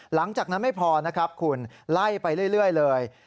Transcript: หลังจากนั้นไม่พอนะครับคุณไล่ไปเรื่อยเลย